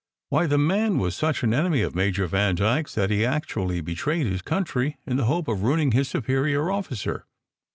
Why, the man was such an enemy of Major Vandyke s that he actually be trayed his country in the hope of ruining his superior officer.